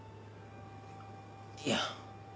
いや。